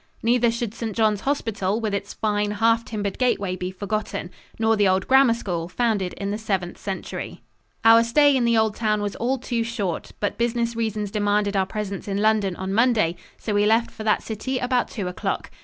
Neither should St. John's hospital, with its fine, half timbered gateway be forgotten; nor the old grammar school, founded in the Seventh Century. [Illustration: CATHEDRAL, CANTERBURY.] Our stay in the old town was all too short, but business reasons demanded our presence in London on Monday, so we left for that city about two o'clock.